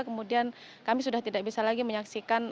kemudian kami sudah tidak bisa lagi menyaksikan